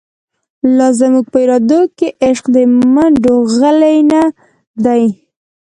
لا زموږ په ارادو کی، عشق د مڼډو غلۍ نه دۍ